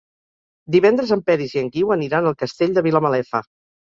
Divendres en Peris i en Guiu aniran al Castell de Vilamalefa.